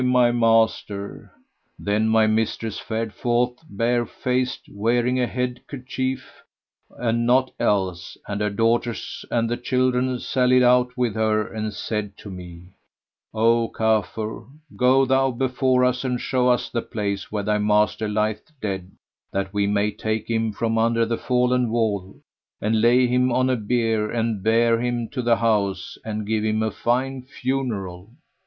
my master!" Then my mistress fared forth bare faced wearing a head kerchief and naught else, and her daughters and the children sallied out with her, and said to me, "O Kafur, go thou before us and show us the place where thy master lieth dead, that we may take him from under the fallen wall and lay him on a bier and bear him to the house and give him a fine funeral."